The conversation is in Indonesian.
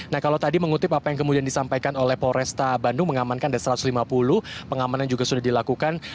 nah kalau tadi mengutip apa yang kemudian disampaikan oleh polresta bandung mengamankan ada satu ratus lima puluh pengamanan juga sudah dilakukan